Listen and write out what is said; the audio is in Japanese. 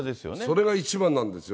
それが一番なんですよ。